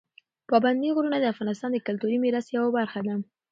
پابندي غرونه د افغانستان د کلتوري میراث یوه برخه ده.